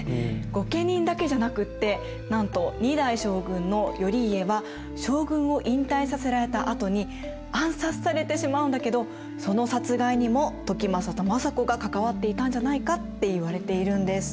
御家人だけじゃなくってなんと２代将軍の頼家は将軍を引退させられたあとに暗殺されてしまうんだけどその殺害にも時政と政子が関わっていたんじゃないかっていわれているんです。